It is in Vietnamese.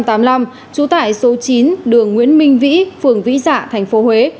trú tại số chín đường nguyễn minh vĩ phường vĩ dạ thành phố huế